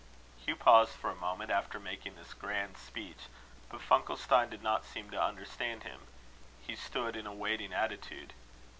Hugh paused for a moment after making this grand speech; but Funkelstein did not seem to understand him: he stood in a waiting attitude.